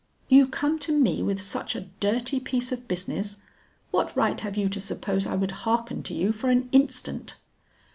'You come to me with such a dirty piece of business! What right have you to suppose I would hearken to you for an instant!'